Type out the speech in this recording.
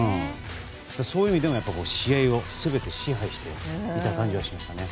そういう意味でも、試合を全て支配していた感じがしましたね。